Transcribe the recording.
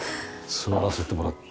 座らせてもらって。